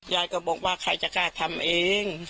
ยายก็บอกว่าใครจะกล้าทำเอง